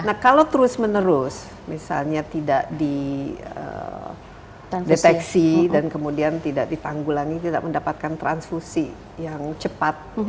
nah kalau terus menerus misalnya tidak dideteksi dan kemudian tidak ditanggulangi tidak mendapatkan transfusi yang cepat